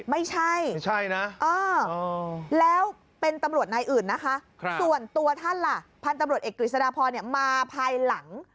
ไม่ใช่ไม่ใช่นะแล้วเป็นตำรวจนายอื่นนะคะส่วนตัวท่านล่ะพันธุ์ตำรวจเอกกฤษฎาพรมาภายหลัง